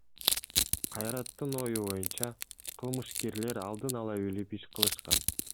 Кайраттын ою боюнча, кылмышкерлер алдын ала билип иш кылышкан.